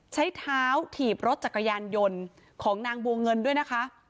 ใช้เท้าถีบรถจักรยานยนต์ของนางบัวเงินด้วยนะคะ